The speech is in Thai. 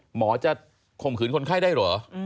หมอจะข่มขืนคนไข้ได้เหรอ